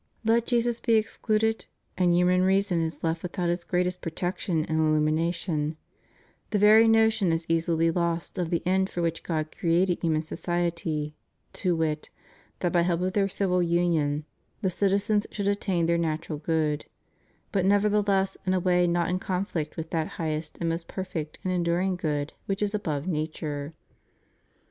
Let Jesus be excluded, and human reason is left without its greatest protection and illumination; the venk'' notion is easily lost of the end for which God created human society, to wit: that by help of their civil union the citizens should attain their natural good, but neverthe less in a way not to conflict with that highest and most perfect and enduring good which is above nature.